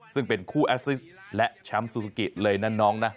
ซึ่งเป็นคู่แอสซิสและแชมป์ซูซูกิเลยนะน้องนะ